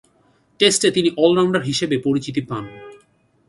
টেস্টে তিনি অল-রাউন্ডার হিসেবে পরিচিতি পান।